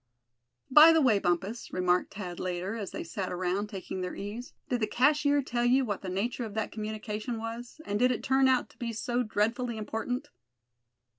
"By the way, Bumpus," remarked Thad, later, as they sat around, taking their ease, "did the cashier tell you what the nature of that communication was; and did it turn out to be so dreadfully important?"